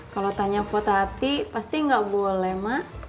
kalau tanya bu tati pasti gak boleh mak